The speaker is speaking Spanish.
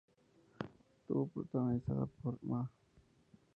Estuvo protagonizada por Ma.